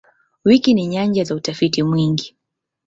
Wiki ni nyanja za utafiti mwingi.